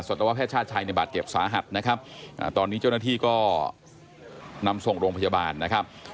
ตวแพทย์ชาติชัยในบาดเจ็บสาหัสนะครับตอนนี้เจ้าหน้าที่ก็นำส่งโรงพยาบาลนะครับ